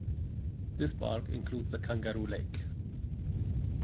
This park includes the Kangaroo Lake.